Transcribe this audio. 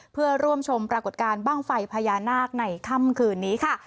เพื่อร่วมชมปรากฏการณ์บ้างไฟพญานาคในค่ำคืนนี้ค่ะ